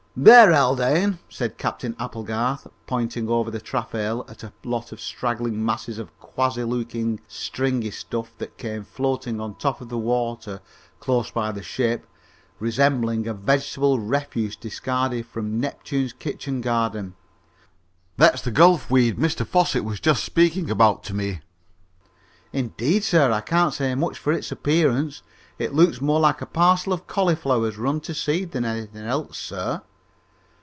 "There, Haldane," said Captain Applegarth, pointing over the taffrail at a lot of straggling masses of quasi looking stringy stuff that came floating on top of the water close by the ship, resembling vegetable refuse discarded from Neptune's kitchen garden. "That's the gulf weed Mr Fosset was just speaking about to me." "Indeed, sir, I can't say much for its appearance. It looks more like a parcel of cauliflowers run to seed than anything else, sir!"